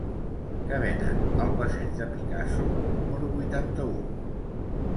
Què venen al passeig de Picasso número vuitanta-u?